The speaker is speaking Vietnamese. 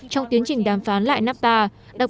trong tiến trình đàm phán lại nafta